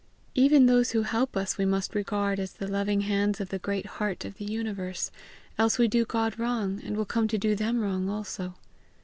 Even those who help us we must regard as the loving hands of the great heart of the universe, else we do God wrong, and will come to do them wrong also.